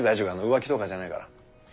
浮気とかじゃないから。